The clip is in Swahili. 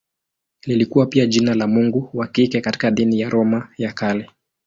Lilikuwa pia jina la mungu wa kike katika dini ya Roma ya Kale.